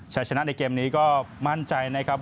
ชนะในเกมนี้ก็มั่นใจนะครับ